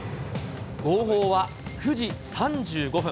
号砲は９時３５分。